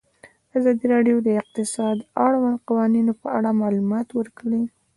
ازادي راډیو د اقتصاد د اړونده قوانینو په اړه معلومات ورکړي.